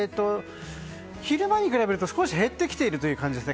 昼間に比べると少し減ってきている状況です。